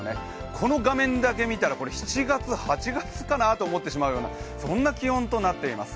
この画面だけ見たら７月、８月かなと思ってしまうような気温となっています。